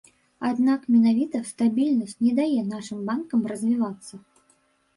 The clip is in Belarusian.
Аднак менавіта стабільнасць не дае нашым банкам развівацца.